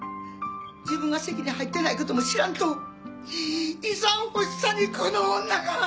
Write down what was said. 自分が籍に入ってないことも知らんと遺産欲しさにこの女が！